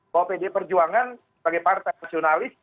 bahwa pd perjuangan sebagai partai nasionalis